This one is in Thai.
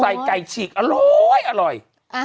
ใส่ไก่ฉีกอร้อยอร่อย